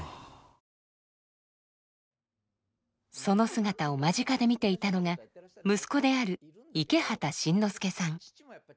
その姿を間近で見ていたのが息子である池畑慎之介さん。